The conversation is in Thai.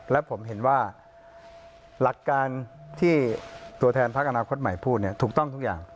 และผมเห็นว่าหลักการที่ตัวแทนพักอนาคตใหม่พูดเนี่ยถูกต้องทุกอย่าง